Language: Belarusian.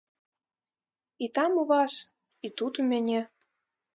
І там у вас, і тут у мяне.